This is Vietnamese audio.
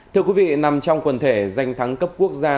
thưa quý vị nằm trong quần thể danh thắng cấp quốc gia